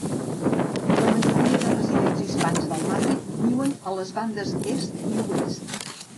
La majoria de residents hispans del barri viuen a les bandes est i oest.